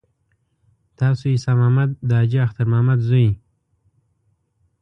تاسو عیسی محمد د حاجي اختر محمد زوی.